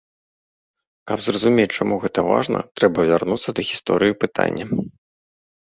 Каб зразумець, чаму гэта важна, трэба вярнуцца да гісторыі пытання.